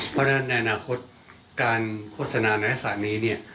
เพราะฉะนั้นในอนาคตการโฆษณาในอาศักดิ์นี้